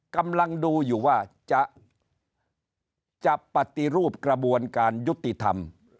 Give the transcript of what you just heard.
กำลังดูอยู่ว่าจะปฏิรูปกระบวนการยุติธรรม